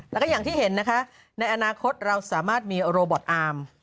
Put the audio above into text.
แล้วก็อย่างที่เห็นนะคะในอนาคตเราสามารถมีโรบอทอาร์ม